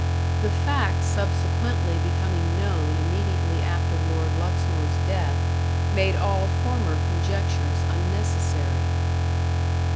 The facts subsequently becoming known immediately after Lord Luxmore's death, made all former conjectures unnecessary.